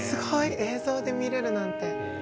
映像で見れるなんて。